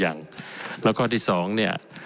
หังล้างอยากเวลาที่สองเนี่ย